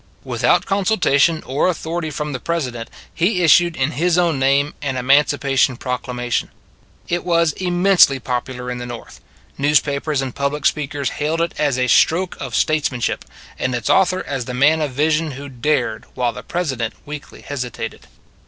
Without consultation or authority from the President, he issued in his own name an Emancipation Proclamation. It was im mensely popular in the North. Newspa pers and public speakers hailed it as a stroke of statesmanship, and its author as the man of vision who dared while the President weakly hesitated.